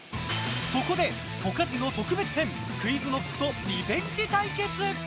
そこでで、ポカジノ特別編ＱｕｉｚＫｎｏｃｋとリベンジ対決！